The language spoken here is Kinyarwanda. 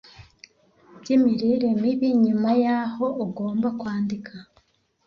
by'imirire mibi. nyuma y'aho ugomba kwandika